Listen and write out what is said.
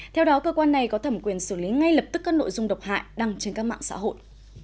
theo đó cơ quan này có thẩm quyền xử lý ngay lập tức các nội dung độc hại đăng trên các mạng xã hội